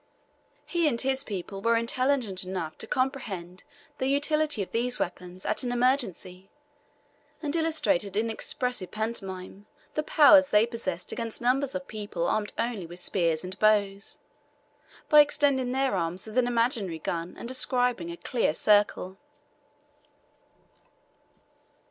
He and his people were intelligent enough to comprehend the utility of these weapons at an emergency, and illustrated in expressive pantomime the powers they possessed against numbers of people armed only with spears and bows, by extending their arms with an imaginary gun and describing a clear circle.